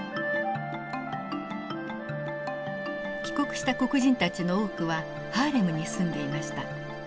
帰国した黒人たちの多くはハーレムに住んでいました。